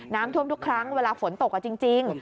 น้ำท่วมทุกครั้งเวลาฝนตกจริง